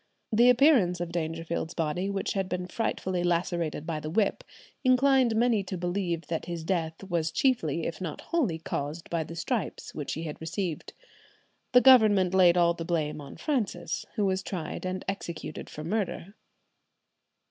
The appearance of Dangerfield's body, which had been frightfully lacerated by the whip, inclined many to believe that his death was chiefly if not wholly caused by the stripes which he had received." The Government laid all the blame on Francis, who was tried and executed for murder.